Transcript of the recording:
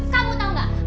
kamu tau gak